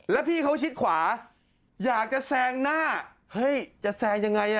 แล้วพี่เขาชิดขวาอยากจะแซงหน้าเฮ้ยจะแซงยังไง